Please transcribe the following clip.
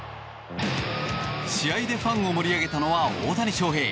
試合でファンを盛り上げたのは大谷翔平。